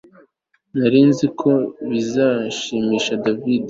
Nari nzi ko bizashimisha David